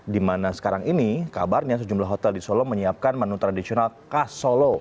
di mana sekarang ini kabarnya sejumlah hotel di solo menyiapkan menu tradisional khas solo